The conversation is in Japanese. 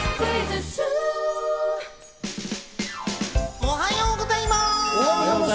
おはようございます！